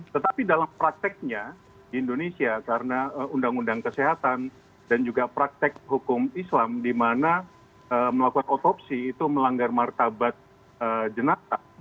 tetapi dalam prakteknya di indonesia karena undang undang kesehatan dan juga praktek hukum islam di mana melakukan otopsi itu melanggar martabat jenazah